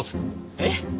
えっ？